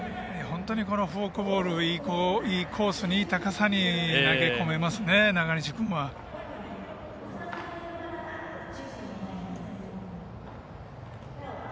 フォークボールがいいコース、いい高さに投げ込めますね、中西君は。